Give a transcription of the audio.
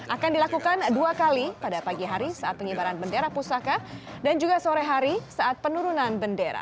akan dilakukan dua kali pada pagi hari saat pengibaran bendera pusaka dan juga sore hari saat penurunan bendera